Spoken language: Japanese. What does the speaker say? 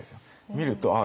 見るとああ